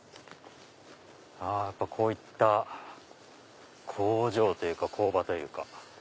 こういった工場というかこうばというか。